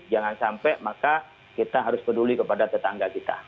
jangan sampai maka kita harus peduli kepada tetangga kita